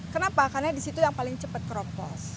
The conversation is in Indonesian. kenapa karena di situ yang paling cepat keropos